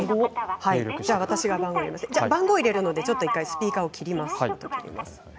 番号を入れるので１回スピーカーを切りますね。